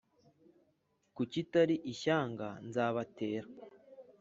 ku kitari ishyanga nzabatera